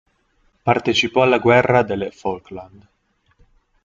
Partecipò alla Guerra delle Falkland.